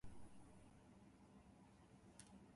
埼玉県朝霞市